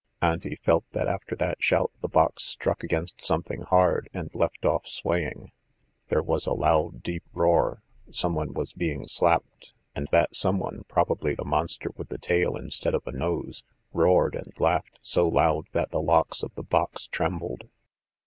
Auntie felt that after that shout the box struck against something hard and left off swaying. There was a loud deep roar, someone was being slapped, and that someone, probably the monster with the tail instead of a nose, roared and laughed so loud that the locks of the box trembled.